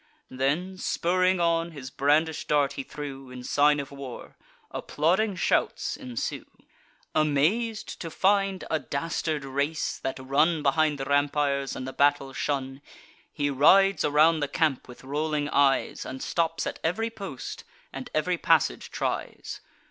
Then spurring on, his brandish'd dart he threw, In sign of war: applauding shouts ensue. Amaz'd to find a dastard race, that run Behind the rampires and the battle shun, He rides around the camp, with rolling eyes, And stops at ev'ry post, and ev'ry passage tries.